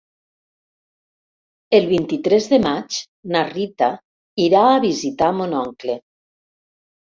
El vint-i-tres de maig na Rita irà a visitar mon oncle.